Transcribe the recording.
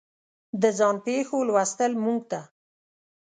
د ځان پېښو لوستل موږ ته